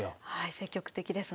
積極的ですね。